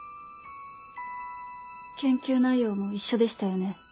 研究内容も一緒でしたよね？